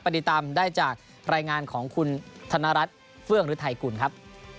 ปฏิตามได้จากรายงานของคุณธนรัฐเฟื้องหรือไทกุลครับ